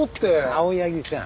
青柳さん。